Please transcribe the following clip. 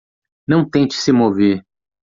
Não tente se mover.